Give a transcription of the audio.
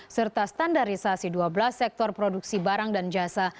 serta standarisasi dua belas sektor produksi barang dan jasa